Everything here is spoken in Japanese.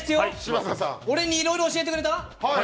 俺にいろいろ教えてくれた？